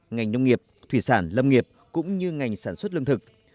ngành nông nghiệp thủy sản lâm nghiệp cũng như ngành sản xuất lương thực